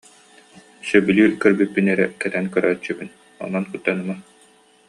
Сөбүлүү көрбүппүн эрэ кэтэн көрөөччүбүн, онон куттаныма